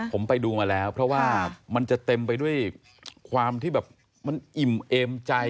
ผมไปดูมาแล้วเพราะว่ามันจะเต็มไปด้วยความที่แบบมันอิ่มเอมใจ